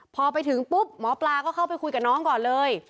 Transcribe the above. พอไปถึงปุ๊บหมอปลาก็เข้าไปคุยกับน้องก่อนเลย